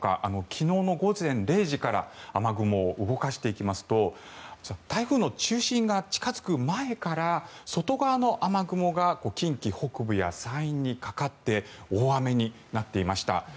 昨日の午前０時から雨雲を動かしていきますと台風の中心が近付く前から外側の雨雲が近畿、北部や山陰にかかって大雨になっていました。